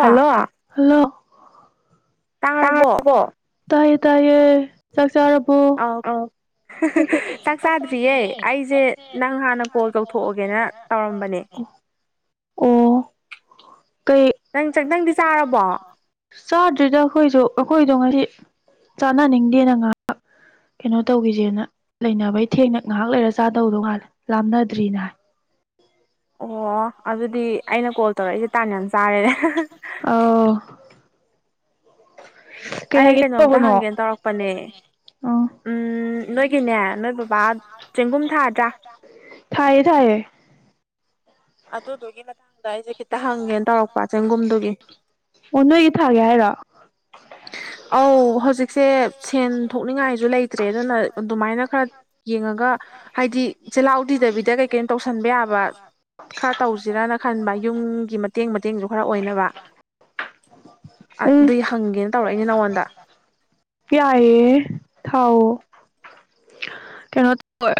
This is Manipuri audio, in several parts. ꯍꯜꯂꯣ ꯍꯜꯂꯣ ꯇꯥꯔꯕꯣ ꯇꯥꯏꯌꯦ ꯇꯥꯏꯌꯦ ꯆꯥꯛ ꯆꯥꯔꯕꯣ ꯑꯧ ꯑ ꯆꯥꯛ ꯆꯥꯗ꯭ꯔꯤꯌꯦ ꯑꯩꯁꯦ ꯅꯪ ꯍꯥꯟꯅ ꯀꯣꯜ ꯇꯧꯊꯣꯛꯑꯒꯦꯅ ꯇꯧꯔꯝꯕꯅꯦ ꯑꯣ ꯀꯩ ꯅꯪ ꯆ ꯅꯪꯗꯤ ꯆꯥꯔꯕꯣ ꯆꯥꯗ꯭ꯔꯤꯗ ꯑꯩꯈꯣꯏꯖꯨ ꯑꯩꯈꯣꯏꯗꯣ ꯉꯁꯤ ꯆꯥꯅꯅꯤꯡꯗꯦꯅ ꯉꯥꯏꯕ ꯀꯩꯅꯣ ꯇꯧꯒꯤꯖꯦꯅ ꯂꯩꯅꯕꯩ ꯊꯦꯡꯅ ꯉꯥꯏꯍꯥꯛ ꯂꯩꯔ ꯆꯥꯗꯧꯗꯧ ꯃꯥꯜꯂꯦ ꯂꯥꯝꯅꯗ꯭ꯔꯤꯅ ꯍꯥꯏ ꯑꯣ ꯑꯗꯨꯗꯤ ꯑꯩꯅ ꯀꯣꯜ ꯇꯧꯔꯛꯏꯖꯦ ꯇꯥꯟ ꯌꯥꯝ ꯆꯥꯔꯦꯅꯦ ꯑꯧ ꯀꯩ ꯑꯩ ꯍꯥꯏꯒꯦ ꯀꯩꯅꯣꯝꯇ ꯇꯧꯕꯅꯣ ꯍꯪꯒꯦꯅ ꯇꯧꯔꯛꯄꯅꯦ ꯑꯣ ꯎ ꯅꯣꯏꯒꯤꯅꯦ ꯅꯣꯏ ꯕꯕꯥ ꯆꯦꯡꯒꯨꯝ ꯊꯥꯗ꯭ꯔꯥ ꯊꯥꯏꯌꯦ ꯊꯥꯏꯌꯦ ꯑꯗꯨꯗꯨꯒꯤ ꯃꯇꯥꯡꯗ ꯑꯩꯁꯦ ꯈꯤꯇ ꯍꯪꯒꯦꯅ ꯇꯧꯔꯛꯄ ꯆꯦꯡꯒꯨꯝꯗꯨꯒꯤ ꯑꯣ ꯅꯣꯏꯒꯤ ꯊꯥꯒꯦ ꯍꯥꯏꯔꯣ ꯑꯧ ꯍꯧꯖꯤꯛꯁꯦ ꯁꯦꯟ ꯊꯣꯛꯅꯤꯡꯉꯥꯏꯁꯨ ꯂꯩꯇ꯭ꯔꯦ ꯑꯗꯨꯅ ꯑꯗꯨꯃꯥꯏꯅ ꯈꯔ ꯌꯦꯡꯉꯒ ꯍꯥꯏꯗꯤ ꯆꯤꯜꯍꯥꯎ ꯊꯤꯗꯕꯤꯗ ꯀꯩ ꯀꯩꯅꯣ ꯇꯧꯁꯟꯕ ꯌꯥꯕ ꯈꯔ ꯇꯧꯁꯤꯔꯅ ꯈꯟꯕ ꯌꯨꯝꯒꯤ ꯃꯇꯦꯡ ꯃꯇꯦꯡꯁꯨ ꯈꯔ ꯑꯣꯏꯅꯕ ꯎꯝ ꯑꯗꯨꯏ ꯍꯪꯒꯦꯅ ꯇꯧꯔꯛꯏꯅꯦ ꯅꯉꯣꯟꯗ ꯌꯥꯏꯌꯦ ꯊꯥꯎꯑꯣ ꯀꯩꯅꯣ ꯇꯧ ꯕ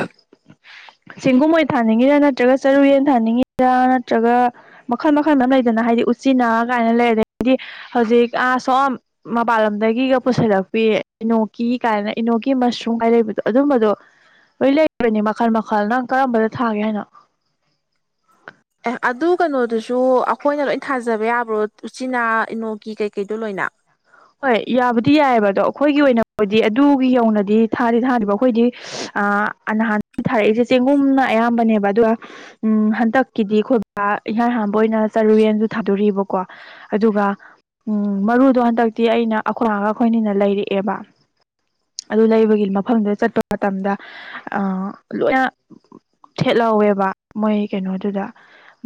ꯁꯤꯡꯒꯨꯑꯣꯏ ꯊꯥꯅꯤꯡꯉꯤꯔ ꯅꯠꯇ꯭ꯔꯒ ꯆꯔꯨꯌꯦꯟ ꯊꯥꯅꯤꯡꯉꯤꯔ ꯅꯠꯇ꯭ꯔꯒ ꯃꯈꯜ ꯃꯈꯜ ꯃꯌꯥꯝ ꯂꯩꯗꯅ ꯍꯥꯏꯗꯤ ꯎꯆꯤꯟꯅ ꯀꯥꯏꯅ ꯂꯩ ꯑꯗꯨꯗꯒꯤ ꯍꯧꯖꯤꯛ ꯑꯥ ꯁꯣꯝ ꯃꯄꯥꯟꯂꯝꯗꯒꯤꯒ ꯄꯨꯁꯤꯜꯂꯛꯄꯤ ꯏꯅꯣꯛꯀꯤ ꯀꯥꯏꯅ ꯏꯅꯣꯛꯀꯤ ꯃꯁꯔꯨꯝꯒꯥꯏ ꯂꯩꯕꯗꯨ ꯑꯗꯨꯒꯨꯕꯗꯣ ꯂꯣꯏ ꯂꯩꯕꯅꯤ ꯃꯈꯜ ꯃꯈꯜ ꯅꯪ ꯀꯔꯝꯕꯗ ꯊꯥꯒꯦ ꯍꯥꯏꯅꫭ ꯑꯦ ꯑꯗꯨ ꯀꯩꯅꯣꯗꯨꯁꯨ ꯑꯩꯈꯣꯏꯅ ꯂꯣꯏ ꯊꯥꯖꯕ ꯌꯥꯕ꯭ꯔꯣ ꯎꯆꯤꯅꯥ ꯏꯅꯣꯒꯤ ꯀꯩꯀꯩꯗꯣ ꯂꯣꯏꯅ ꯍꯣꯏ ꯌꯥꯕꯗꯤ ꯌꯥꯏꯑꯦꯕ ꯑꯗꯣ ꯑꯩꯈꯣꯏꯒꯤ ꯑꯣꯏꯅꯕꯨꯗꯤ ꯑꯗꯨꯒꯤ ꯌꯧꯅꯗꯤ ꯊꯥꯗꯤ ꯊꯥꯗꯔꯤꯕ ꯑꯩꯈꯣꯏꯗꯤ ꯑ ꯅꯍꯥꯟ ꯊꯥꯔꯛꯏꯁꯦ ꯆꯦꯡꯒꯨꯝꯅ ꯑꯌꯥꯝꯕꯅꯦꯕ ꯑꯗꯨꯒ ꯎꯝ ꯍꯟꯗꯛꯀꯤꯗꯤ ꯑꯩꯈꯣꯏ ꯕꯥ ꯏꯍꯥꯟ ꯍꯥꯟꯕ ꯑꯣꯏꯅ ꯆꯔꯨ ꯌꯦꯟꯁꯨ ꯊꯥꯗꯣꫪꯤꯕꯀꯣ ꯑꯗꯨꯒ ꯎꯝ ꯃꯔꯨꯗꯣ ꯍꯟꯗꯛꯇꯤ ꯑꯩꯅ ꯑꯩꯈꫭꯏꯃꯥꯒ ꯑꯩꯈꯣꯑꯅꯤꯅ ꯂꯩꯔꯛꯑꯦꯕ ꯑꯗꯨ ꯂꯩꯕꯒꯤ ꯃꯐꯝꯗꯨꯗ ꯆꯠꯄ ꯃꯇꯝꯗ ꯑ ꯂꯣꯏꯅ ꯊꯦꯠꯂ‌ꯧꯋꯦꯕ ꯃꯣꯏ ꯀꯩꯅꯣꯗꯨꯗ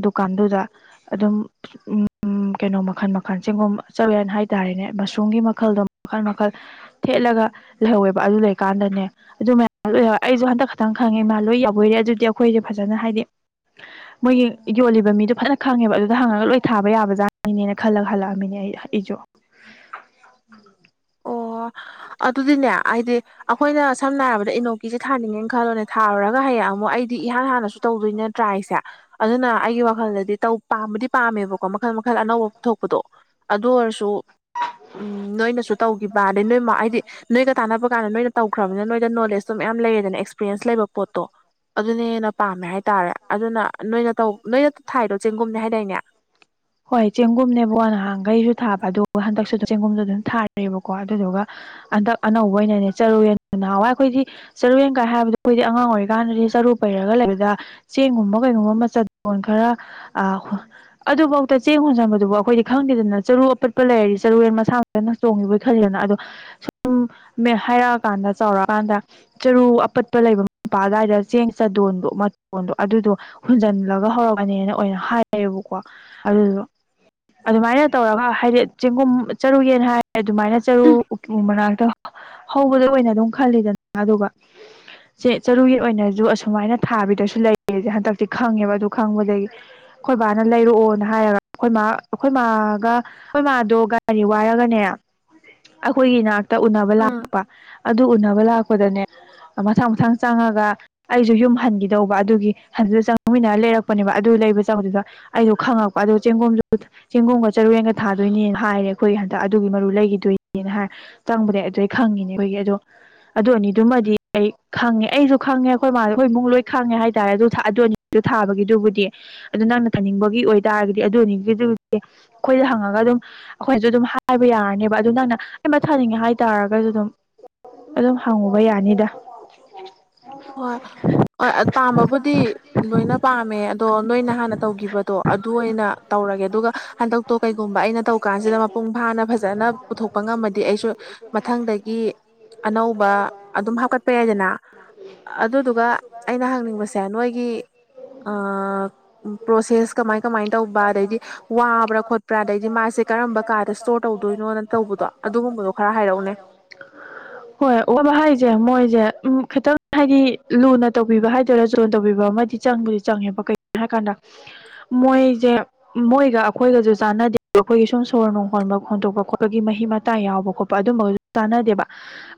ꯗꯨꯀꯥꯟꯗꯨꯗ ꯑꯗꯨꯝ ꯀꯩꯅꯣ ꯃꯈꯜ ꯃꯈꯜ ꯆ‌ꯦꯡꯒꯨꯝ ꯆꫪꯨꯌ‌ꯦꯟ ꯍꯥꯏꯇꯥꯔꯦꯅꯦ ꯃꯁꯔꯨꯝꯒꯤ ꯃꯈꯜꯗꯣ ꯃꯈꯜ ꯃꯈꯜ ꯊꯦꯠꯂꯒ ꯂꯩꯍꯧꯋꯦꯕ ꯑꯗꯨ ꯂꯩꯀꯥꯟꯗꯅꯦ ꯑꯗꯨ ꯃꯌꯥꯝ ꯑꯩꯁꯨ ꯍꯟꯗꯛ ꯈꯠꯇꯪ ꯈꯪꯉꯦ ꯃꯥ ꯂꯨꯏ ꯌꯥꯎꯕꯣꯏꯔꯦ ꯑꯗꯨꯗꯤ ꯑꯩꯈꯣꯏꯖꯦ ꯐꯖꯅ ꯍꯥꯏꯗꯤ ꯃꯣꯏꯒꯤ ꯌꯣꯜꯂꯤꯕ ꯃꯤꯗꯣ ꯐꯖꯅ ꯈꯪꯉꯦꯕ ꯑꯗꯨꯗ ꯍꯪꯉꯒ ꯂꯣꯏ ꯊꯥꯕ ꯌꯥꯕꯖꯥꯠꯅꯤꯅꯦ ꯈꯜꯂꯒ ꯍꯜꯂꯛꯑꯃꯤꯅꯦ ꯑꯩ ꯏꯖꯣ ꯑꯣ ꯑꯗꯨꯗꯤꯅꯦ ꯑꯥꯏꯗꯤ ꯑꯈꯣꯏꯅ ꯁꯝꯅ ꯍꯥꯏꯔꯕꯗ ꯏꯅꯣꯛꯀꯤꯖꯦ ꯊꯥꯅꯤꯡꯉꯦ ꯈꯜꯂꯣꯅꯦ ꯊꯥꯔꯨꯔꯒ ꯍꯌꯦꯡ ꯑꯃꯨꯛ ꯑꯩꯗꯤ ꯏꯍꯥꯟ ꯍꯥꯟꯅꯁꯨ ꯇꯧꯗꯣꯏꯅ ꯇ꯭ꯔꯥꯏꯁꯦ ꯑꯗꯨꯅ ꯑꯩꯒꯤ ꯋꯥꯈꯜꯗꯗꯤ ꯇꯧ ꯄꯥꯝꯕꯨꯗꯤ ꯄꯥꯝꯃꯦꯕꯀꯣ ꯃꯈꯜ ꯃꯈꯜ ꯑꯅꯧꯕ ꯄꯨꯊꯣꯛꯄꯗꯣ ꯑꯗꯨ ꯑꯣꯏꯔꯁꯨ ꯎꯝ ꯅꯣꯏꯅꯁꯨ ꯇꯧꯈꯤꯕ ꯑꯗꯤ ꯅꯣꯏ ꯃꯥ ꯍꯥꯏꯗꯤ ꯅꯣꯏꯒ ꯇꯥꯟꯅꯕ ꯀꯥꯟꯗ ꯅꯣꯏꯅ ꯇꯧꯈ꯭ꯔꯕꯅꯤ ꯅꯣꯏꯗ ꯅꯣꯂꯦꯖꯇꯣ ꯃꯌꯥꯝ ꯂꯩꯌꯦꯗꯅ ꯑꯦꯛꯁꯄꯤꯔꯌꯦꯟꯁ ꯂꯩꯕ ꯄꯣꯠꯇꯣ ꯑꯗꯨꯅꯦ ꯍꯦꯟꯅ ꯄꯥꯝꯃꯦ ꯍꯥꯏꯇꯥꯔꯦ ꯑꯗꯨꯅ ꯅꯣꯏꯅ ꯇꯧ ꯅꯣꯏꯅ ꯊꯥꯏꯗꫭ ꯆꯦꯡꯒꯨꯝꯅꯦ ꯍꯥꯏꯗꯥꯏꯅꯦ ꯍꯣꯏ ꯆꯦꯡꯒꯨꯝꯅꯦꯕꯣ ꯅꯍꯥꯟꯈꯩꯁꯨ ꯊꯥꯕ ꯑꯗꯨꯒ ꯍꯟꯗꯛꯁꯨ ꯆꯦꯡꯒꯨꯝꯗꯨ ꯑꯗꯨꯝ ꯊꯥꯔꯦꯕꯀꯣ ꯑꯗꯨꯗꯨꯒ ꯍꯟꯗꯛ ꯑꯅꯧꯕ ꯑꯣꯏꯅꯅꯦ ꯆꯔꯨꯌ‌ꯦꯟ ꯅꯍꯥꯟꯋꯥꯏ ꯑꯩꯈꯣꯏꯗꯤ ꯆꯔꯨ ꯌꯦꯟ‌ ꯀꯥꯏ ꯍꯥꯏꯕꯗ ꯑꯩꯈꯣꯏꯗꯤ ꯑꯉꯥꯡ ꯑꯣꯏꯔꯤꯀꯥꯟꯗꯗꯤ ꯆꯔꯨ ꯄꯩꯔꯒ ꯂꯩꯕꯗ ꯆꯦꯡꯒꯨꯝꯕ ꯀꯩꯒꯨꯝꯕ ꯃꯆꯠ ꯗꯣꯟ ꯈꯔ ꯑ ꯑꯗꯨꯕꯧ ꯆꯦꯡ ꯍꯣꯟꯖꯟꯕꯗꯨꯕꯧ ꯑꯩꯈꯣꯏꯗꯤ ꯈꯪꯗꯦꯗꯅ ꯆꯔꯨ ꯑꯄꯠꯄ ꯂꯩꯔꯗꯤ ꯆꯔꯨꯔꯦꯟ ꯃꯁꯥꯅ ꯆꯣꯡꯉꯤꯕꯣꯏ ꯈꯜꯂꯤꯗꯅ ꯑꯗꯣ ꯁꯨꯝ ꯃꯦ ꯍꯥꯏꯔꯛ ꯑꯀꯥꯟꯗ ꯆꯥꯎꯔꯛꯑꯀꯥꯟꯗ ꯆꯔꯨ ꯑꯄꯠꯄ ꯂꯩꯕ ꯃꯄꯥ ꯑꯗꯥꯏꯗ ꯆꯦꯡ ꯆꯥꯗꯣꯟꯗꯣ ꯃꯇꯣꯟꯗꯣ ꯑꯗꯨꯗꯣ ꯍꯨꯟꯖꯜꯂꯒ ꯍꯧꯔꯛꯄꯅꯦꯅ ꯑꯣꯏꯅ ꯍꯥꯏꯌꯦꯕꯀꯣ ꯑꯗꯨꯗꯣ ꯑꯗꯨꯃꯥꯏꯅ ꯇꯧꯔꯒ ꯍꯥꯏꯗꯤ ꯆꯦꯡꯒꯨꯝ ꯆꯔꯨꯔꯨꯌ‌ꯦꯟ ꯍꯥꯏ ꯑꯗꯨꯃꯥꯏꯅ ꯆꯔꯨ ꯎꯄꯨ ꯃꯅꯥꯛꯇ ꯍꯧꯕꯗ ꯑꯣꯏꯅ ꯑꯗꯨꯝ ꯈꯜꯂꯤꯗꯅ ꯑꯗꯨꯒ ꯆꯦ ꯆꯔꯨꯌ‌ꯦꯟ ꯑꯣꯏꯅꯖꯨ ꯑꯁꯨꯃꯥꯏꯅ ꯊꯥꯕꯤꯗꯁꯨ ꯂꯩꯌꯦꯖꯦ ꯍꯟꯗꯛꯇꯤ ꯈꯪꯉꯦꯕ ꯑꯗꯨ ꯈꯪꯕꯗꯒꯤ ꯈꯣꯏ ꯕꯥꯅ ꯂꯩꯔꯛꯑꯣ ꯅ ꯍꯥꯏꯒ ꯈꯣꯏ ꯃꯥ ꯑꯈꯣꯏ ꯃꯥꯒ ꯑꯈꯣꯏ ꯃꯥꯗꯣ ꯒꯥꯔꯤ ꯋꯥꯏꯔꯒꯅꯦ ꯑꯈꯣꯏꯒꯤ ꯏꯅꯥꯛꯇ ꯎꯅꯕ ꯎꯝ ꯂꯥꯛꯄ ꯑꯗꯨ ꯎꯅꯕ ꯂꯥꯛꯄꯗꯅꯦ ꯑ ꯃꯊꯪ ꯃꯊꯪ ꯆꯪꯉꯒ ꯑꯩꯁꯨ ꯌꯨꯝ ꯍꯟꯈꯤꯗꯧꯕ ꯑꯗꯨꯒꯤ ꯍꯟꯖꯨ ꯆꯪꯉꯃꯤꯟꯅꯔ ꯂꯩꯔꯛꯄꯅꯦꯕ ꯑꯗꯨ ꯂꯩꯕ ꯆꯪꯕꯗꯨꯗ ꯑꯩꯗꯣ ꯈꯪꯉꯛꯄ ꯑꯗꯨ ꯆꯦꯡꯒꯣꯝꯁꯨ ꯆꯦꯡꯒꯨꯝꯒ ꯆꯔꯨꯌ‌ꯦꯟꯒ ꯊꯥꯗꯣꯏꯅꯦ ꯍꯥꯏꯔꯦ ꯈꯣꯏꯒꯤ ꯍꯟꯗꯛ ꯑꯗꯨꯒꯤ ꯃꯔꯨ ꯂꯩꯈꯤꯗꯣꯏꯅꯦꯅ ꯍꯥꯏ ꯇꯪꯕꯗꯩ ꯑꯗꯨꯗꯩ ꯈꯪꯉꯤꯅꯦ ꯈꯣꯏꯒꯤ ꯑꯗꯣ ꯑꯗꯨꯑꯅꯤꯗꯨꯃꯗꯤ ꯑꯩ ꯈꯪꯉꯦ ꯑꯩꯁꯨ ꯈꯪꯉꯦ ꯈꯣꯏ ꯃꯥꯁꯨ ꯈꯣꯏ ꯏꯃꯨꯛ ꯂꯣꯏ ꯈꯪꯉꯦ ꯍꯥꯏꯇꯥꯔꯦ ꯑꯗꯨ ꯊꯥ ꯑꯗꯨ ꯑꯅꯤ ꯑꯗꯨ ꯊꯥꯕꯒꯤꯗꯨꯕꯨꯗꯤ ꯑꯗꯨ ꯅꯪꯅ ꯊꯥꯅꯤꯡꯕꯒꯤ ꯑꯣꯏꯇꯥꯔꯒꯗꯤ ꯑꯗꯨ ꯑꯣꯏꯅꯤꯒꯤꯗꯨꯗꯤ ꯈꯣꯏꯗ ꯍꯪꯉꯒ ꯑꯗꯨꯝ ꯑꯈꯣꯏꯁꯨ ꯑꯗꯨꯝ ꯍꯥꯏꯕ ꯌꯥꯔꯅꯦꯕ ꯑꯗꯨ ꯅꯪꯅ ꯑꯩ ꯑꯃ ꯊꯥꯅꯤꯡꯉꯦ ꯍꯥꯏꯇꯥꯔꯒꯁꯨ ꯑꯗꯨꯝ ꯑꯗꯨꯝ ꯍꯪꯉꯨꯕ ꯌꯥꯅꯤꯗ ꯍꯣꯏ ꯑꯣꯏ ꯄꯥꯝꯕꯕꯨꯗꯤ ꯂꯣꯏꯅ ꯄꯥꯝꯃꯦ ꯑꯗꯣ ꯅꯣꯏꯅ ꯍꯥꯟꯅ ꯇꯧꯒꯤꯕ ꯇꯣ ꯑꯗꯨ ꯑꯣꯏꯅ ꯇꯧꯔꯒꯦ ꯑꯗꯨꯒ ꯍꯟꯗꯛꯇꯣ ꯀꯩꯒꯨꯝꯕ ꯑꯩꯅ ꯇꯧꯀꯥꯟꯁꯤꯗ ꯃꯄꯨꯡ ꯐꯥꯅ ꯐꯖꯅ ꯄꯨꯊꯣꯛꯄ ꯉꯝꯃꯗꯤ ꯑꯩꯁꯨ ꯃꯊꯪꯗꯒꯤ ꯑꯅꯧꯕ ꯑꯗꯨꯝ ꯍꯥꯞꯀꯠꯄ ꯌꯥꯏꯗꯅ ꯑꯗꯨꯗꯨꯒ ꯑꯩꯅ ꯍꯪꯅꯤꯡꯕꯁꯦ ꯅꯣꯏꯒꯤ ꯑꯥ ꯄ꯭ꯔꯣꯁꯦꯁ ꯀꯃꯥꯏ ꯀꯃꯥꯏ ꯇꯧꯕ ꯑꯗꯩꯗꯤ ꯋꯥꯕ꯭ꯔꯥ ꯈꯣꯠꯄ꯭ꯔꯥ ꯑꯗꯩꯗꯤ ꯃꯥꯁꯦ ꯀꯔꯝꯕ ꯀꯥꯗ ꯏꯁꯇꯣꯔ ꯇꯧꯗꯣꯏꯅꯣꯅ ꯇꯧꯕꯗꯣ ꯑꯗꯨꯒꯨꯝꯕꯗꯣ ꯈꯔ ꯍꯥꯏꯔꯛꯎꯅꯦ [inaudible] ꯍꯣꯏ ꯋꯥꯕ ꯍꯥꯏꯁꯦ ꯃꯣꯏꯁꯦ ꯎꯝ ꯈꯤꯇꯪ ꯍꯥꯏꯗꯤ ꯂꯨꯅ ꯇꯧꯕꯤꯕ ꯍꯥꯏꯗꯣꯏꯔꯥ ꯆꯣꯟ ꯇꯧꯕꯤꯕ ꯑꯃꯗꯤ ꯆꯪꯕꯗꯤ ꯆꯪꯉꯦꯕ ꯀꯩꯒꯤꯅꯣ ꯍꯥꯏ ꯀꯥꯟꯗ ꯃꯣꯏꯖꯦ ꯃꯣꯏꯒ ꯑꯩꯈꯣꯏꯒꯁꯨ ꯆꯥꯟꯅꯗꯦ ꯑꯩꯈꯣꯏꯒꯤ ꯁꯨꯝ ꯁꯣꯔ ꯅꯨꯡ ꯍꯣꯟꯕ ꯍꯣꯟꯇꯣꯛꯄ ꯈꯣꯠꯄꯒꯤ ꯃꯍꯤ ꯃꯇꯥꯏ ꯌꯥꯎꯕ ꯈꯣꯠꯄ ꯑꯗꯨꯝꯕ ꯇꯥꯅꯗꯦꯕ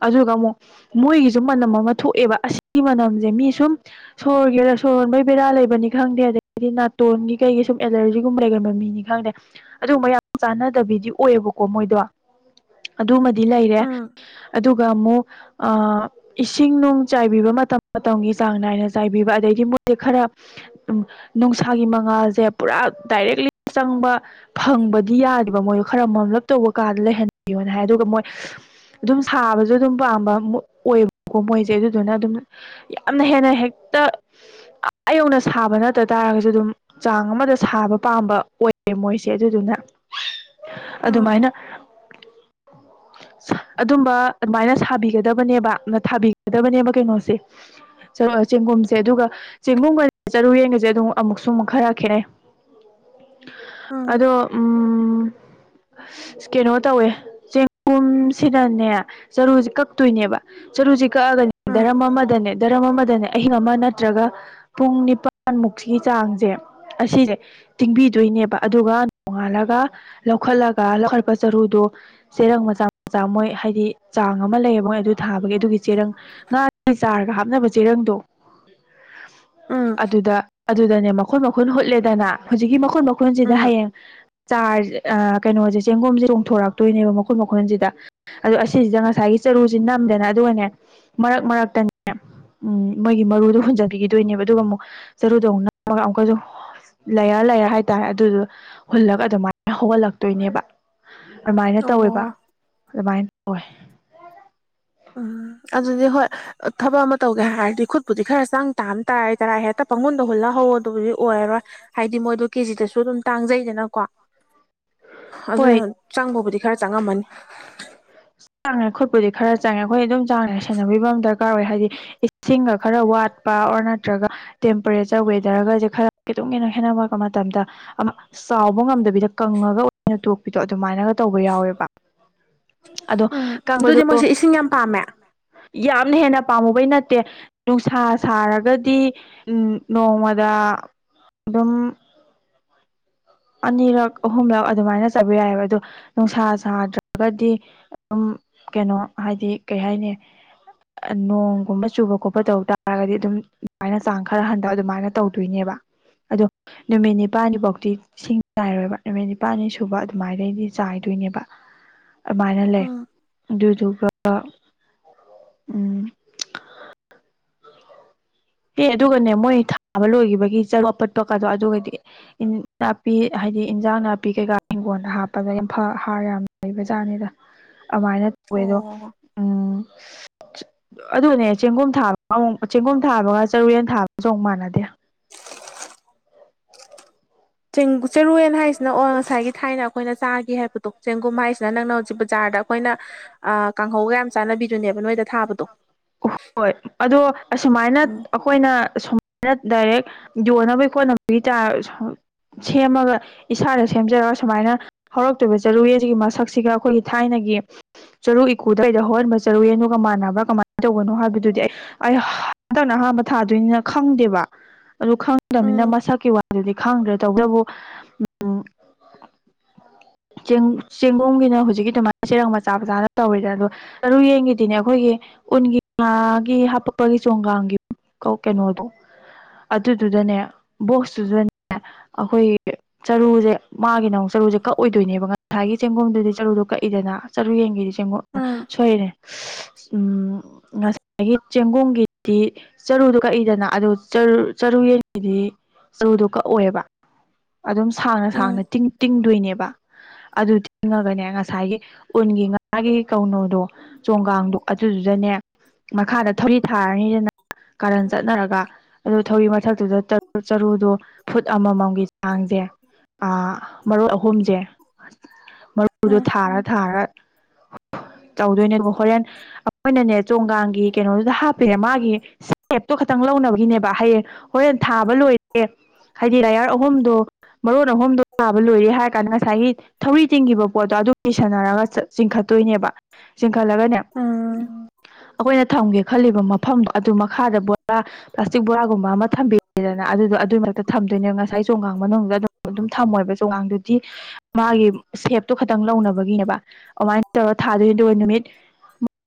ꯑꯗꯨꯒ ꯑꯃꯨꯛ ꯃꯣꯏꯒꯤꯁꯨ ꯃꯅꯝ ꯑꯃ ꯊꯣꯛꯑꯦꯕ ꯑꯁꯤꯒꯤ ꯃꯅꯝꯁꯦ ꯃꯤ ꯁꯨꯝ ꯁꯣꯔꯒꯦꯔꯥ ꯁꯣꯔ ꯍꯣꯟꯕꯩ ꯕꯦꯔꯥ ꯂꯩꯕꯅꯤ ꯈꯪꯗꯦ ꯑꯗꯒꯤꯗꯤ ꯅꯥꯇꯣꯟꯒꯤ ꯀꯩꯒꯤ ꯁꯨꯝ ꯑꯦꯂꯔꯖꯤꯒꯨꯝꯕ ꯂꯩꯒꯟꯕ ꯃꯤꯅꯤ ꯈꯪꯗ꯭ꯔꯦ ꯑꯗꯨꯒꯨꯝꯕ ꯌꯥꯝ ꯆꯥꯟꯅꯗꯕꯤꯗꯤ ꯑꯣꯏꯌꯦꯕꯀꯣ ꯃꯣꯏꯗꯣ ꯑꯗꯨꯃꯗꯤ ꯗꯤ ꯂꯩꯔꯦ ꯎꯝ ꯑꯗꯨꯒ ꯑꯃꯨꯛ ꯏꯁꯤꯡ ꯅꯨꯡ ꯆꯥꯏꯕꯤꯕ ꯃꯇꯝ ꯃꯇꯝꯒꯤ ꯆꯥꯡ ꯅꯥꯏꯅ ꯆꯥꯏꯕꯤꯕ ꯑꯗꯒꯤꯗꯤ ꯃꯣꯏꯁꯦ ꯈꯔ ꯅꯨꯡꯁꯥꯒꯤ ꯃꯉꯥꯜꯁꯦ ꯄꯨꯔꯥ ꯗꯥꯏꯔꯦꯛꯂꯤ ꯆꯪꯕ ꯐꯪꯕꯗꯤ ꯌꯥꯗꯦꯕ ꯃꯣꯏꯗꯣ ꯈꯔ ꯃꯝꯂꯞ ꯇꯧꯕ ꯀꯥꯗ ꯂꯩꯍꯟꯕꯤꯌꯣꯅ ꯍꯥꯏ ꯑꯗꯨꯒ ꯃꯣꯏ ꯑꯗꯨꯝ ꯁꯥꯕꯁꯨ ꯑꯗꯨꯝ ꯄꯥꯝꯕ ꯑꯣꯏꯕꯀꯣ ꯃꯣꯏꯁꯦ ꯑꯗꯨꯗꯨꯅ ꯑꯗꯨꯝ ꯌꯥꯝꯅ ꯍꯦꯟꯅ ꯍꯦꯛꯇ ꯑꯥ ꯌꯧꯅ ꯁꯥꯕ ꯅꯠꯇ ꯇꯥꯔꯒꯁꯨ ꯑꯗꯨꯝ ꯆꯥꯡ ꯑꯃꯗ ꯁꯥꯕ ꯄꯥꯝꯕ ꯑꯣꯏꯌꯦ ꯃꯣꯏꯁꯦ ꯑꯗꯨꯗꯨꯅ ꯎꯝ ꯑꯗꯨꯃꯥꯏꯅ [inaudible] ꯑꯗꯨꯝꯕ ꯑꯗꯨꯃꯥꯏꯅ ꯁꯥꯕꯤꯒꯗꯕꯅꯦꯕ ꯊꯥꯕꯤꯒꯗꯕꯅꯦꯕ ꯀꯩꯅꯣꯁꯦ ꯨ ꯆꯦꯡꯒꯨꯝꯁꯦ ꯑꯗꯨꯒ ꯆꯦꯡꯒꯨꯝꯒ ꯆꯔꯨ ꯌꯦꯟꯒꯁꯦ ꯑꯗꯨꯝ ꯑꯃꯨꯛꯁꯨ ꯈꯔ ꯈꯦꯅꯩ ꯎꯝ ꯑꯗꯣ ꯎꯝ ꯀꯩꯅꯣ ꯇꯧꯋꯦ ꯆꯦꯡꯒꯨꯝꯁꯤꯗꯅꯦ ꯆꯔꯨꯁꯦ ꯀꯛꯇꯣꯏꯅꯦꯕ ꯆꯔꯨꯖꯤ ꯀꯛꯑꯒꯅꯤ ꯎꯝ ꯗꯔꯝ ꯑꯃꯗꯅꯦ ꯗꯔꯝ ꯑꯃꯗꯅꯦ ꯑꯍꯤꯡ ꯑꯃ ꯅꯠꯇ꯭ꯔꯒ ꯄꯨꯡ ꯅꯤꯄꯥꯜꯃꯨꯛꯁꯤꯒꯤ ꯆꯥꯡꯁꯦ ꯑꯁꯤꯁꯦ ꯇꯤꯡꯕꯤꯗꯣꯏꯅꯦꯕ ꯑꯗꯨꯒ ꯅꯣꯡꯉꯥꯜꯂꯒ ꯂꯧꯈꯠꯂꯒ ꯂꯧꯈꯠꯄ ꯆꯔꯨꯗꯣ ꯆꯦꯔꯪ ꯃꯆꯥ ꯃꯆꯥ ꯃꯣꯏ ꯍꯥꯏꯗꯤ ꯆꯥꯡ ꯑꯃ ꯂꯩꯌꯦ ꯃꯣꯏ ꯑꯗꯨ ꯊꯥꯕꯒꯤ ꯑꯗꯨꯒꯤ ꯆꯦꯔꯪ ꯉꯥ ꯆꯥꯔꯒ ꯍꯥꯞꯅꯕ ꯆꯦꯔꯪꯗꯣ ꯎꯝ ꯑꯗꯨꯗ ꯑꯗꯨꯗꯅꯦ ꯃꯈꯨꯟ ꯃꯈꯨꯟ ꯍꯨꯠꯂꯦꯗꯅ ꯍꯧꯖꯤꯛꯀꯤ ꯃꯈꯨꯟ ꯃꯈꯨꯣꯟꯖꯤꯗ ꯎꯝ ꯍꯌꯦꯡ ꯆꯥꯔ ꯀꯩꯅꯣꯁꯦ ꯆꯦꯡꯒꯨꯝꯖꯦ ꯆꯣꯡꯊꯣꯔꯛꯇꯣꯏꯅꯦꯕ ꯃꯈꯨꯟ ꯃꯈꯨꯟꯁꯤꯗ ꯑꯗꯣ ꯑꯁꯤꯁꯤꯗ ꯉꯁꯥꯏꯒꯤ ꯆꯔꯨꯁꯤ ꯅꯝꯗꯦꯅ ꯑꯗꯨꯒꯅꯦ ꯃꯔꯛ ꯃꯔꯛꯇꯅꯦ ꯎꯝ ꯃꯣꯏꯒꯤ ꯃꯔꯨꯗꯣ ꯍꯨꯟꯖꯟꯕꯤꯒꯤꯗꯣꯏꯅꯦꯕ ꯑꯗꯨꯒ ꯑꯃꯨꯛ ꯆꯔꯨꯗꯧꯅ ꯑꯃ ꯑꯃꯨꯛꯀꯁꯨ ꯂ꯭ꯌꯥꯔ ꯂ꯭ꯌꯥꯔ ꯍꯥꯏꯇꯥꯔꯦ ꯑꯗꯨꯗꯣ ꯍꯨꯜꯂꯒ ꯑꯗꯨꯃꯥꯏꯅ ꯍꯧꯍꯜꯂꯛꯇꯣꯏꯅꯦꯕ ꯑꯗꯨꯃꯥꯏꯅ ꯑꯣ ꯇꯧꯋꯦꯕ ꯑꯗꯨꯃꯥꯏꯅ ꯇꯧꯋ ꯎꯝ ꯑꯗꯨꯗꯤ ꯍꯣꯏ ꯊꯕꯛ ꯑꯃ ꯇꯧꯒꯦ ꯍꯥꯏꯔꯗꯤ ꯈꯨꯠꯄꯨꯗꯤ ꯈꯔ ꯆꯥꯡ ꯇꯥꯝ ꯇꯥꯔꯦꯗꯅ ꯍꯦꯛꯇ ꯄꯥꯍꯨꯟꯗ ꯍꯨꯜꯂ ꯍꯧꯋꯣ ꯑꯗꯨꯕꯨꯗꯤ ꯑꯣꯏꯔꯔꯣꯏ ꯍꯥꯏꯗꯤ ꯃꯣꯏꯗꯣ ꯀꯦꯖꯤꯗꯁꯨ ꯑꯗꯨꯝ ꯇꯥꯡꯖꯩꯗꯅꯀꯣ ꯍꯣꯏ ꯑꯗꯨꯅ ꯆꯪꯕꯕꯨꯗꯤ ꯈꯔ ꯆꯪꯉꯝꯃꯅꯤ ꯆꯥꯡꯉꯦ ꯈꯨꯠꯄꯨꯗꯤ ꯈꯔ ꯆꯪꯉꯦ ꯑꯩꯈꯣꯏ ꯑꯗꯨꯝ ꯆꯥꯡꯅ ꯁꯦꯟꯅꯕꯤꯕ ꯑꯃ ꯗꯔꯀꯥꯔ ꯑꯣꯏ ꯍꯥꯏꯗꯤ ꯏꯁꯤꯡꯒ ꯈꯔ ꯋꯥꯠꯄ ꯑꯣꯔ ꯅꯠꯇ꯭ꯔꯒ ꯇꯦꯝꯄꯔꯦꯆꯔ ꯋꯦꯗꯔꯒꯁꯦ ꯈꯔ ꯈꯤꯇ ꯍꯦꯟꯅ ꯈꯦꯠꯅꯔꯛꯄ ꯃꯇꯝꯗ ꯆꯥꯎꯕ ꯉꯝꯗꯕꯤꯗ ꯀꯪꯉꯒ ꯑꯣꯏꯅ ꯇꯣꯛꯄꯤꯗꯣ ꯑꯗꯨꯃꯥꯏꯅꯒ ꯇꯧꯕ ꯌꯥꯎꯋꯦꯕ ꯑꯗꯣ ꯎꯝ ꯀꯪꯕꯗꯣ ꯑꯗꯨꯗꯤ ꯃꯣꯏꯁꯦ ꯏꯁꯤꯡ ꯌꯥꯝ ꯄꯥꯝꯃꯦ ꯌꯥꯝꯅ ꯍꯦꯟꯅ ꯄꯥꯝꯃꯨꯕꯩ ꯅꯠꯇꯦ ꯅꯨꯡꯁꯥ ꯁꯥꯔꯒꯗꯤ ꯎꯝ ꯅꯣꯡꯃꯗ ꯑꯗꯨꯝ ꯑꯅꯤꯔꯛ ꯑꯍꯨꯝꯂꯛ ꯑꯗꯨꯃꯥꯏꯅ ꯆꯥꯏꯕ ꯌꯥꯏꯕ ꯑꯗꯣ ꯅꯨꯡꯁꯥ ꯁꯥꯗ꯭ꯔꯒꯗꯤ ꯑꯗꯨꯝ ꯀꯩꯅꯣ ꯍꯥꯏꯗꯤ ꯀꯩ ꯍꯥꯏꯅꯤ ꯅꯣꯡꯒꯨꯝꯕ ꯆꯨꯕ ꯈꯣꯠꯄ ꯇꯧ ꯇꯥꯔꯒꯗꯤ ꯑꯗꯨꯝ ꯑꯗꯨꯃꯥꯏꯅ ꯆꯥꯡ ꯈꯔ ꯍꯟꯊꯕ ꯑꯗꯨꯃꯥꯏꯅ ꯇꯧꯗꯣꯏꯅꯦꯕ ꯑꯗꯣ ꯅꯨꯃꯤꯠ ꯅꯤꯄꯥꯜꯅꯤꯐꯥꯎꯗꯤ ꯏꯁꯤꯡ ꯆꯥꯏꯔꯣꯏꯕ ꯅꯨꯃꯤꯠ ꯅꯤꯄꯥꯜꯅꯤ ꯁꯨꯕ ꯑꯗꯨꯃꯥꯏꯗꯩꯗꯤ ꯆꯥꯏꯗꯣꯏꯅꯦꯕ ꯑꯗꯨꯃꯥꯏꯅ ꯂꯩ ꯎꯝ ꯑꯗꯨꯗꯨꯒ ꯎꯝ꯫ ꯑꯦ ꯑꯗꯨꯒꯅꯦ ꯃꯣꯏ ꯊꯥꯕ ꯂꯣꯏꯈꯤꯕꯒꯤ ꯆꯔꯨ [unintelligible] ꯑꯄꯠꯄꯀꯗꯣ ꯑꯗꯨꯒꯗꯤ ꯄꯤ ꯍꯥꯏꯗꯤ ꯏꯟꯖꯥꯡ ꯅꯥꯄꯤ ꯀꯩꯀꯥ ꯍꯤꯡꯒꯣꯜꯗ ꯍꯥꯞꯄꯗ ꯌꯥꯝ ꯐ ꯍꯥꯔ ꯌꯥꯝ ꯂꯩꯕꯖꯥꯠꯅꯤꯗ꯫ ꯑꯃꯥꯏꯅ ꯑ‌‌ꯣꯏ ꯑꯗꯣ ꯑꯣ ꯎꯝ꯫ ꯑꯗꯨꯅꯦ ꯆꯦꯡꯒꯨꯝ ꯊꯥꯕꯒ ꯑꯃꯨꯛ ꯆꯦꯡꯒꯨꯝ ꯊꯥꯕꯒ ꯆꯔꯨꯌꯦꯟ ꯊꯥꯕꯒꯁꯨ ꯑꯃꯨꯛ ꯃꯥꯟꯅꯗꯦ꯫ ꯆꯦꯡ ꯆꯥꯔꯨꯌꯦꯟ ꯍꯥꯏꯁꯤꯅ ꯑꯣ ꯉꯁꯥꯏꯒꯤ ꯊꯥꯏꯅ ꯑꯈꯣꯏꯅ ꯆꯥꯤꯒ ꯍꯥꯏꯕꯗꯣ ꯆꯦꯡꯒꯨꯝ ꯍꯥꯏꯁꯤꯅ ꯅꯪꯅ ꯍꯧꯖꯤꯛ ꯕꯖꯥꯔꯗ ꯈꯣꯏꯅ ꯑ ꯀꯥꯡꯍꯧꯒ ꯌꯥꯝ ꯆꯥꯅꯕꯤꯗꯨꯅꯦꯕ ꯅꯣꯏꯗ ꯊꯥꯕꯗꯣ꯫ ꯍꯣꯏ ꯑꯗꯣ ꯑꯁꯨꯃꯥꯏꯅ꯫ ꯎꯝ ꯑꯈꯣꯏꯅ ꯁꯨꯃꯥꯏꯅ ꯗꯥꯏꯔꯦꯛ ꯌꯣꯟꯅꯕꯒꯤ ꯈꯣꯠꯅꯕꯒꯤ ꯆꯥꯔ ꯁꯦꯝꯃꯒ ꯏꯁꯥꯗ ꯁꯦꯝꯖꯔꯒ ꯁꯨꯃꯥꯏꯅ ꯍꯧꯔꯛꯇꯣꯏꯕ ꯆꯔꯨꯌꯦꯟꯁꯤꯒꯤ ꯃꯁꯛꯁꯤꯒ ꯑꯩꯈꯣꯏꯒꯤ ꯊꯥꯏꯅꯒꯤ ꯆꯔꯨ ꯏꯀꯨꯗ ꯀꯩꯗ ꯍꯧꯍꯟꯕ ꯆꯔꯨ ꯌꯦꯟꯗꯨꯒ ꯃꯥꯟꯅꯕꯥ ꯀꯃꯥꯏꯟ꯫ ꯇꯧꯕꯅꯣ ꯍꯥꯏꯕꯗꯨꯗꯤ ꯑꯩ ꯑꯩ ꯍꯟꯗꯛꯅ ꯑꯍꯥꯟꯕ ꯊꯥꯗꯣꯏꯅꯤꯅ ꯈꯪꯗꯦꯕ꯫ ꯑꯗꯨ ꯈꯪꯗꯕꯅꯤꯅ ꯎꯝ ꯃꯁꯛꯀꯤ ꯋꯥꯗꯨꯗꯤ ꯈꯪꯗ꯭ꯔꯦ ꯇꯧꯕꯇꯕꯨ ꯎꯝ꯫ [inaudible] ꯆꯦꯡ ꯆꯦꯡꯕꯨꯝꯒꯤꯅ ꯍꯧꯖꯤꯛꯀꯤ ꯑꯗꯨꯃꯥꯏꯅ ꯆꯦꯔꯪ ꯃꯆꯥ ꯃꯆꯥꯅ ꯇꯧꯔꯤꯗ ꯑꯗꯣ ꯆꯔꯨ ꯌꯦꯟꯒꯤꯗꯤꯅꯦ ꯑꯩꯈꯣꯏꯒꯤ ꯎꯟꯒꯤ ꯉꯥꯒꯤ ꯍꯥꯄꯛꯄꯒꯤ ꯆꯣꯡꯒꯥꯡꯒꯤ ꯄꯨꯛ ꯀꯣ ꯀꯩꯅꯣꯗꯣ꯫ ꯑꯗꯨꯗꯨꯗꯅꯦ ꯕꯣꯛꯁꯇꯨꯗꯅꯦ꯫ ꯑꯩꯈꯣꯏꯒꯤ ꯆꯔꯨꯁꯦ ꯃꯥꯒꯤ ꯅ ꯑꯃꯨꯛ ꯆꯔꯨꯁꯦ ꯀꯛꯑꯣꯏꯗꯣꯏꯅꯦꯕ꯫ ꯉꯁꯥꯏꯒꯤ ꯆꯦꯡꯒꯣꯝꯗꯨꯗꯤ ꯆꯔꯨꯗꯣ ꯀꯛꯏꯗꯅ ꯆꯔꯨ ꯌꯦꯡꯈꯤꯗꯤ ꯆꯦꯡꯒꯣꯝ ꯎꯝ ꯁꯣꯏꯔꯦ [unintelligible] ꯎꯝ ꯉ ꯁꯥꯏꯒꯤ ꯆꯦꯡꯒꯣꯡꯒꯤꯗꯤ ꯆꯔꯨꯗꯣ ꯀꯛꯏꯗꯅ ꯑꯗꯨ ꯆꯔꯨ ꯌꯦꯟꯒꯤꯗꯤ ꯆꯔꯨꯗꯣ ꯀꯛꯑꯣꯏꯕ꯫ ꯑꯗꯨꯝ ꯁꯥꯡꯅ ꯁꯥꯡꯅ ꯎꯝ ꯇꯤꯡ ꯇꯤꯡꯗꯣꯏꯅꯦꯕ꯫ ꯑꯗꯨ ꯇꯤꯡꯉꯒꯅꯦ ꯉꯁꯥꯏꯒꯤ ꯎꯟꯒꯤ ꯉꯥꯒꯤ ꯀꯧꯅꯣꯗꯣ꯫ ꯆꯣꯡꯒꯥꯡꯗꯣ ꯑꯗꯨꯗꯨꯗꯅꯦ ꯃꯈꯥꯗ ꯊꯧꯔꯤ ꯊꯥꯔꯅꯤꯗꯅ꯫ ꯀꯥꯔꯟ ꯆꯠꯅꯔꯒ ꯑꯗꯨ ꯊꯧꯔꯤ ꯃꯊꯛꯇꯨꯗ ꯆ ꯆꯔꯨꯗꯣ ꯐꯨꯠ ꯑꯃꯃꯝꯒꯤ ꯆꯥꯡꯖꯦ ꯑ ꯃꯔꯣꯟ ꯑꯍꯨꯝꯖꯦ꯫ ꯃꯔꯨꯗꯣ ꯎꯝ ꯊꯥꯔ ꯊꯥꯔ ꯇꯧꯗꯣꯏꯅꯦ ꯑꯗꯣ ꯍꯣꯔꯦꯟ ꯑꯩꯈꯣꯏꯅꯅꯦ ꯆꯣꯡꯒꯥꯡꯒꯤ ꯀꯩꯅꯣꯗꯨꯗ ꯍꯥꯞꯄꯤꯔꯦ ꯃꯥꯒꯤ ꯁꯦꯞꯇꯣ ꯈꯇꯪ ꯂꯧꯅꯕꯒꯤꯅꯦꯕ ꯍꯌꯦꯡ꯫ ꯍꯣꯔꯦꯟ ꯊꯥꯕ ꯂꯣꯏꯔꯦ ꯍꯥꯏꯗꯤ ꯂꯌꯥꯔ ꯑꯍꯨꯝꯗꯣ ꯃꯔꯣꯟ ꯑꯍꯨꯝꯗꯣ ꯊꯥꯕ ꯂꯣꯏꯔꯦ ꯍꯥꯏꯔ ꯀꯥꯟꯗ ꯉꯁꯥꯏꯒꯤ ꯊꯧꯔꯤ ꯇꯤꯡꯈꯤꯕ ꯄꯣꯠꯇꯣ ꯑꯗꯨ ꯀꯤꯁꯟꯅꯔꯒ ꯆꯤꯡꯈꯠꯇꯣꯏꯅꯦꯕ ꯆꯤꯡꯈꯠꯂꯒꯅꯦ꯫ ꯎꯝ꯫ ꯑꯈꯣꯏꯅ ꯊꯝꯒꯦ ꯈꯜꯂꯤꯕ ꯃꯐꯝꯗꯣ ꯑꯗꯨ ꯃꯈꯥꯗ ꯕꯣꯔꯥ ꯄ꯭ꯂꯥꯁꯇꯤꯛ ꯕꯣꯔꯥꯒꯨꯝꯕ ꯑꯃ ꯊꯝꯕꯤꯔꯦꯗꯅ ꯑꯗꯨꯗꯣ ꯑꯗꯨꯒꯤ ꯃꯛꯇ ꯊꯝꯗꯣꯏꯅꯦꯕ ꯉꯁꯥꯏ ꯆꯣꯡꯈꯥꯡ ꯃꯅꯨꯡꯗ ꯑꯗꯨꯝ꯫ ꯑꯗꯨꯝ ꯊꯝꯃꯣꯏꯕ ꯆꯣꯡꯒꯥꯡꯗꯨꯗꯤ꯫ ꯃꯥꯒꯤ ꯁꯦꯞꯇꯣ ꯈꯇꯪ ꯂꯧꯅꯕꯒꯤꯅꯦꯕ ꯑꯧꯃꯥꯏꯅ ꯇꯧꯔ ꯊꯥꯗꯣꯏꯗꯨ ꯅꯨꯃꯤꯠ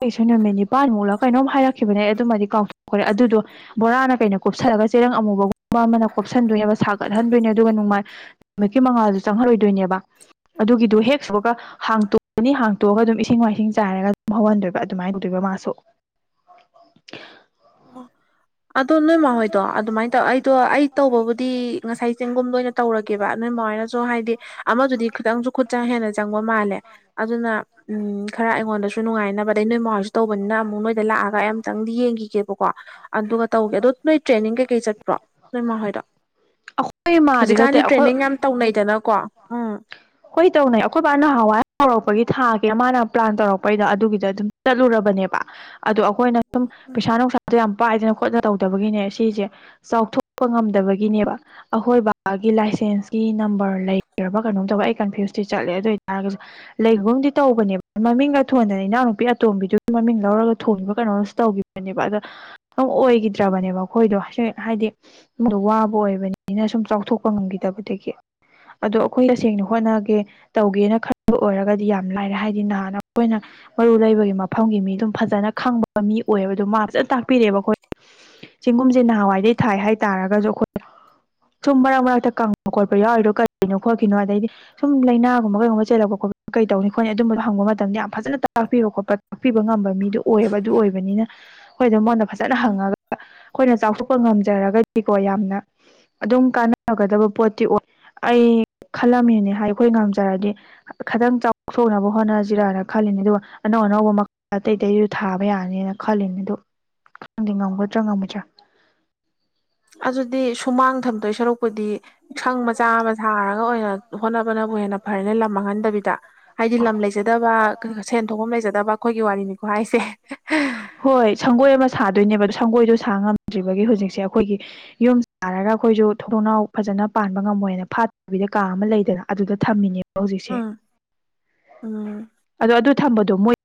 ꯏꯁꯨ ꯅꯨꯃꯤꯠ ꯅꯤꯄꯥꯟꯃꯨꯛꯂ ꯀꯩꯅꯣꯝ ꯍꯥꯏꯔꯛꯈꯤꯕꯅꯦ ꯑꯩ ꯑꯗꯨꯃꯗꯤ ꯀꯥꯎꯊꯣꯛꯈ꯭ꯔꯦ ꯑꯗꯨꯗꯣ ꯕꯣꯔꯥꯅ ꯀꯩꯅ ꯀꯨꯞꯁꯜꯂꯒ ꯆꯦꯔꯪ ꯑꯃꯨꯕꯒꯨꯝꯕ ꯑꯃꯅ ꯀꯨꯞꯞꯁꯟꯗꯣꯏꯅꯦꯕ ꯁꯥꯒꯠꯍꯟꯗꯣꯏꯅꯦ ꯑꯗꯨꯒ ꯅꯨꯡꯃꯥꯏ ꯅꯨꯃꯤꯠꯀꯤ ꯃꯉꯥꯜꯗꯨ ꯆꯪꯍꯜꯔꯣꯏꯗꯣꯏꯅꯦꯕ꯫ ꯑꯗꯨꯒꯤꯗꯨ ꯍꯦꯛ ꯁꯨꯕꯒ ꯍꯥꯡꯇꯣꯛꯑꯅꯤ ꯍꯥꯡꯇꯣꯛꯑꯒ ꯑꯗꯨꯝ ꯏꯁꯤꯡ ꯃꯥꯏꯁꯤꯡ ꯆꯥꯏꯔꯒ ꯑꯗꯨꯝ ꯍꯧꯍꯟꯗꯣꯏꯕ ꯑꯗꯨꯃꯥꯏꯟ ꯇꯧꯗꯣꯢꯕ ꯃꯥꯁꯨ꯫ ꯑꯣ ꯑꯗꯣ ꯅꯣꯏ ꯃꯥ ꯍꯣꯏꯗꯣ ꯑꯗꯨꯃꯥꯏꯅ ꯇꯧ ꯑꯩꯗꯣ ꯑꯩ ꯇꯧꯕꯕꯨꯗꯤ ꯉꯁꯥꯏ ꯆꯦꯡꯒꯨꯝꯗꯣ ꯑꯣꯏꯅ ꯇꯧꯔꯒꯦꯕ ꯅꯣꯢ ꯃꯥ ꯍꯣꯏꯅꯁꯨ ꯍꯥꯏꯗꯤ ꯑꯃꯗꯨꯗꯤ ꯈꯤꯇꯪꯁꯨ ꯈꯨꯠ ꯆꯥꯡ ꯍꯦꯟꯅ ꯆꯪꯕ ꯃꯥꯜꯂꯦ ꯑꯗꯨꯅ ꯎꯝ ꯈꯔ ꯑꯩꯉꯣꯟꯗꯁꯨ ꯅꯨꯡꯉꯥꯏꯅꯕ ꯑꯗꯩ ꯅꯣꯏ ꯃꯥꯥ ꯍꯣꯢꯁꯨ ꯇꯧꯕꯅꯤꯅ ꯑꯃꯨꯛ ꯅꯣꯏ ꯗ ꯂꯥꯛꯑꯒ ꯑꯩ ꯑꯝꯇꯪ ꯌꯦꯡꯈꯤꯒꯦꯕꯀꯣ ꯑꯗꯨꯒ ꯇꯧꯒꯦ ꯑꯗꯣ ꯅꯣꯏ ꯇ꯭ꯔꯦꯅꯤꯡ ꯀꯩꯀꯩ ꯆꯠꯄ꯭ꯔꯣ ꯅꯣꯏ ꯃꯥ ꯍꯣꯏꯗꯣ ꯑꯩꯈꯣꯏ ꯃꯥꯗꯤ ꯅꯠꯇꯦ ꯍꯧꯖꯤꯛꯀꯥꯟꯗꯤ ꯑꯩꯈꯣꯏ ꯇ꯭ꯔꯦꯅꯤꯡ ꯌꯥꯝ ꯇꯧꯅꯩꯗꯅꯀꯣ ꯎꯝ ꯍꯣꯏ ꯇꯧꯅꯩ ꯑꯩꯈꯣꯏꯕ ꯕꯥ ꯅꯍꯥꯋꯥꯏ ꯍꯧꯔꯛꯄꯒꯤ ꯊꯥꯒꯦ ꯃꯥꯅ ꯄ꯭ꯂꯥꯟ ꯇꯧꯔꯛꯄꯩꯗ ꯑꯗꯨꯒꯤꯗ ꯑꯗꯨꯝ ꯆꯠꯂꯨꯔꯕꯅꯦꯕ ꯑꯗꯣ ꯑꯩꯈꯣꯏꯅ ꯁꯨꯝ ꯄꯩꯁꯥ ꯅꯨꯡꯁꯥꯁꯨ ꯌꯥꯝ ꯄꯥꯏꯗꯅ ꯈꯣꯠꯇꯅ ꯇꯧꯗꯕꯒꯤꯅꯦ ꯁꯤꯁꯦ ꯆꯥꯎꯊꯣꯛꯄ ꯉꯝꯗꯕꯒꯤꯅꯦꯕ ꯑꯈꯣꯏ ꯕꯥꯒꯤ ꯂꯥꯏꯁꯦꯟꯁꯀꯤ ꯅꯝꯕꯔ ꯂꯩꯔꯕ ꯀꯩꯅꯣꯝ ꯇꯧꯕ ꯑꯩ ꯀꯟꯐ꯭ꯌꯨꯁꯇꯤ ꯆꯠꯂꯦ ꯑꯗꯨ ꯑꯣꯏꯇꯥꯔꯒꯁꯨ ꯂꯩꯒꯨꯝꯗꯤ ꯇꯧꯕꯅꯦꯕ ꯃꯃꯤꯡꯒ ꯊꯣꯟꯗꯅ ꯏꯅꯥꯎꯅꯨꯄꯤ ꯑꯇꯣꯝꯕꯤꯗꯨꯒꯤ ꯃꯃꯤꯡ ꯂꯧꯔꯒ ꯊꯣꯟꯕ ꯀꯩꯅꯣꯝꯁꯨ ꯇꯧꯈꯤꯕ [unintelligible] ꯑꯣꯏꯒꯤꯗ꯭ꯔꯕꯅꯦꯕ ꯑꯩꯈꯣꯏꯗꯣ ꯍꯥꯏꯗꯤ ꯏꯃꯨꯡꯗꯨ ꯋꯥꯕ ꯑꯣꯏꯕꯅꯤꯅ ꯁꯨꯝ ꯆꯥꯎꯊꯣꯛꯄ ꯉꯝꯈꯤꯗꯕꯗꯒꯤ ꯑꯗꯣ ꯑꯩꯈꯣꯏ ꯇꯁꯦꯡꯅ ꯍꯣꯠꯅꯒꯦ ꯇꯧꯒꯦꯅ ꯈꯟꯕ ꯑꯣꯏꯔꯒꯗꯤ ꯌꯥꯝ ꯂꯥꯏꯔꯦ ꯍꯥꯏꯗꯤ ꯅꯍꯥꯟꯅ ꯑꯩꯈꯣꯏꯅ ꯃꯔꯨ ꯂꯩꯕꯒꯤ ꯃꯐꯝꯒꯤ ꯃꯤ ꯑꯗꯨꯝ ꯐꯖꯅ ꯈꯪꯕ ꯃꯤ ꯑꯣꯏꯌꯦꯕ ꯑꯗꯨꯝ ꯃꯥ ꯐꯖꯅ ꯇꯥꯛꯄꯤꯔꯛꯑꯦꯕ ꯑꯩꯈꯣꯏ ꯆꯦꯡꯒꯨꯝꯁꯦ ꯅꯍꯥꯟꯋꯥꯏꯗꯩ ꯊꯥꯏ ꯍꯥꯏꯇꯥꯥꯔꯒꯁꯨ ꯑꯩꯈꯣꯏ ꯁꯨꯝ ꯃꯔꯛ ꯃꯔꯛꯇ ꯀꯪꯕ ꯈꯣꯠꯄ ꯌꯥꯎꯔꯤꯗꯣ ꯀꯔꯤꯒꯤꯅꯣ ꯈꯣꯠꯀꯤꯅꯣ ꯑꯗꯩꯗꯤ ꯁꯨꯝ ꯂꯩꯅꯥꯒꯨꯝꯕ ꯀꯩꯒꯨꯝꯕ ꯆꯦꯜꯂꯛꯄ ꯈꯣꯠꯄ ꯀꯩ ꯇꯧꯅꯤ ꯈꯣꯠꯅꯤ ꯑꯗꯨꯝꯕꯗꯨ ꯍꯪꯕ ꯃꯇꯝꯗ ꯌꯥꯝ ꯐꯖꯅ ꯇꯥꯛꯄꯤꯕ ꯈꯣꯠꯄ ꯇꯥꯛꯄꯤꯕ ꯉꯝꯕ ꯃꯤꯗꯨ ꯑꯣꯏꯌꯦꯕ ꯑꯗꯨ ꯑꯣꯏꯕꯅꯤꯅ ꯑꯩꯈꯣꯏꯗꯣ ꯃꯉꯣꯟꯗ ꯐꯖꯅ ꯎꯝ ꯍꯪꯉꯒ ꯑꯩꯈꯣꯏꯅ ꯆꯥꯎꯊꯣꯛꯄ ꯉꯝꯖꯔꯒꯗꯤꯀꯣ ꯌꯥꯝꯅ ꯑꯗꯨꯝ ꯀꯥꯟꯅꯒꯗꯕ ꯄꯣꯠꯇꯤ ꯑꯣꯏ ꯑꯩ ꯈꯜꯂꯝꯃꯤꯅꯦ ꯍꯥꯏ ꯑꯩꯈꯣꯏ ꯉꯝꯖꯔꯗꯤ ꯈꯤꯇꯪ ꯆꯥꯎꯊꯣꯛꯅꯕ ꯍꯣꯠꯅꯁꯤꯔꯥꯅ ꯈꯜꯂꯤꯅꯦ ꯑꯗꯨꯒ ꯑꯅꯧ ꯑꯅꯧꯕ ꯑꯇꯩ ꯑꯇꯩꯁꯨ ꯊꯥꯕ ꯌꯥꯅꯤꯅ ꯈꯜꯂꯤꯅꯦ ꯑꯗꯨ ꯈꯪꯗꯦ ꯉꯝꯒꯗ꯭ꯔꯥ ꯉꯝꯃꯣꯏꯗ꯭ꯔꯥ ꯑꯗꯨꯗꯤ ꯁꯨꯃꯥꯡ ꯊꯝꯗꯣꯏ ꯁꯔꯨꯛꯄꯨꯗꯤ ꯁꯪ ꯃꯆꯥ ꯑꯃ ꯁꯥꯔꯒ ꯑꯣꯏꯅ ꯍꯣꯠꯅꯕꯅꯕꯨ ꯍꯦꯟꯅ ꯐꯔꯦꯅꯦ ꯂꯝ ꯃꯥꯡꯍꯟꯗꯕꯤꯗ ꯍꯥꯏꯗꯤ ꯂꯝ ꯂꯩꯖꯗꯕ ꯁꯦꯟ ꯊꯣꯛꯐꯝ ꯂꯩꯖꯗꯕ ꯑꯩꯈꯣꯏꯒꯤ ꯋꯥꯔꯤꯅꯤꯀꯣ ꯍꯥꯏꯁꯦ ꯍꯣꯏ ꯁꯪꯒꯣꯏ ꯑꯃ ꯁꯥꯗꯣꯏꯅꯦꯕ ꯁꯪꯒꯣꯏꯗꯣ ꯁꯥ ꯉꯝꯗ꯭ꯔꯤꯕꯒꯤ ꯍꯧꯖꯤꯛꯁꯦ ꯑꯩꯈꯣꯏꯒꯤ ꯌꯨꯝ ꯁꯥꯔꯒ ꯑꯩꯈꯣꯏꯁꯨ ꯊꯣꯡꯅꯥꯎ ꯐꯖꯅ ꯄꯥꯟꯕ ꯉꯝꯃꯣꯏꯅ ꯐꯥꯠꯇꯕꯤꯗ ꯀꯥ ꯑꯃ ꯂꯩꯗꯅ ꯑꯗꯨꯗ ꯊꯝꯃꯤꯅꯦꯕ ꯍꯧꯖꯤꯛꯁꯦ ꯎꯝ ꯎꯝ ꯑꯗꯣ ꯑꯗꯨ ꯊꯝꯕꯗꯨ ꯃꯣꯏ